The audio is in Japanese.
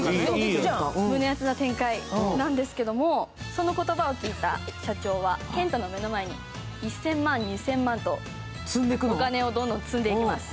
胸熱な展開なんですけど、その言葉を聞いた社長は健太の目の前に１０００万、２０００万とお金をどんどん積んでいきます。